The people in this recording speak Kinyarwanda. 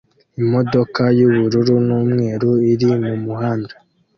Imodoka yubururu n'umweru iri mumuhanda